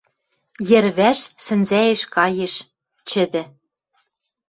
Йӹрвӓш сӹнзӓэш каеш: чӹдӹ.